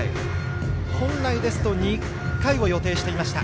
本来だと２回を予定していました。